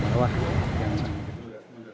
marwah daud juga menjelangkan kemarin